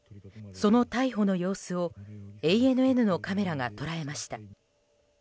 その逮捕の様子をＡＮＮのカメラが捉えました。